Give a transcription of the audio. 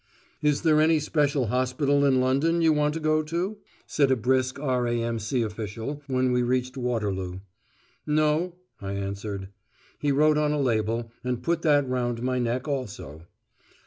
"Is there any special hospital in London you want to go to?" said a brisk R.A.M.C. official, when we reached Waterloo. "No," I answered. He wrote on a label, and put that round my neck also.